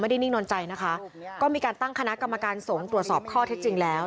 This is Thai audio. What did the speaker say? นิ่งนอนใจนะคะก็มีการตั้งคณะกรรมการสงฆ์ตรวจสอบข้อเท็จจริงแล้ว